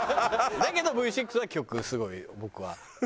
だけどＶ６は曲すごい僕は。